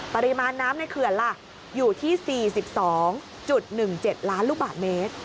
ปริมาณน้ำในเขื่อนล่ะอยู่ที่๔๒๑๗ล้านลูกบาทเมตร